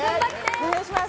お願いします